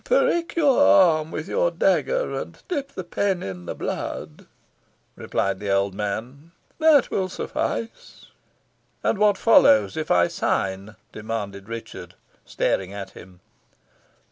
"Prick your arm with your dagger, and dip the pen in the blood," replied the old man. "That will suffice." "And what follows if I sign?" demanded Richard, staring at him.